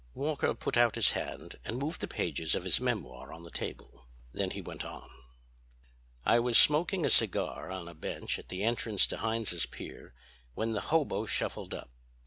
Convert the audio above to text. Walker put out his hand and moved the pages of his memoir on the table. Then he went on: "I was smoking a cigar on a bench at the entrance to Heinz's Pier when the hobo shuffled up.